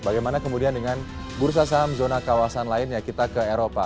bagaimana kemudian dengan bursa saham zona kawasan lainnya kita ke eropa